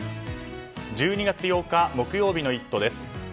１２月８日、木曜日の「イット！」です。